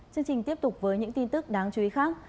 chương trình tiếp tục với những tin tức đáng chú ý khác